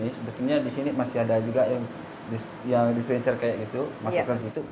ini sebetulnya di sini masih ada juga yang dispenser kayak gitu masukkan di situ